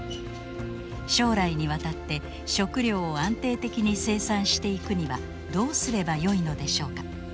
将来にわたって食料を安定的に生産していくにはどうすればよいのでしょうか？